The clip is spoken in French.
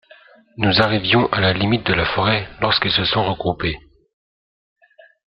Nous arrivions à la limite de la forêt lorsqu’ils se sont regroupés.